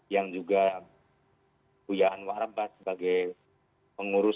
yang juga buyaan warabat sebagai pengurus